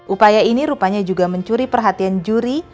upaya ini rupanya juga mencuri perhatian juri